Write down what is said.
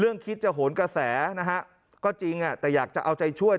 คิดจะโหนกระแสนะฮะก็จริงแต่อยากจะเอาใจช่วย